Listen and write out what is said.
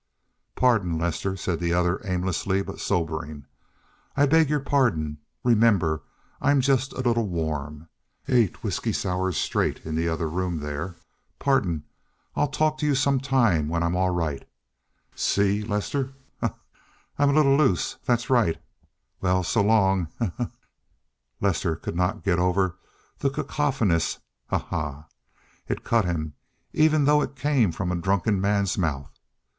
"Pardon, Lester," said the other aimlessly, but sobering. "I beg your pardon. Remember, I'm just a little warm. Eight whisky sours straight in the other room there. Pardon. I'll talk to you some time when I'm all right. See, Lester? Eh! Ha! ha! I'm a little loose, that's right. Well, so long! Ha! ha!" Lester could not get over that cacophonous "ha! ha!" It cut him, even though it came from a drunken man's mouth.